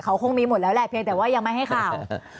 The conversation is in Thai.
เขาคงมีหมดแล้วแหละเพียงแต่ว่ายังไม่ให้ข่าว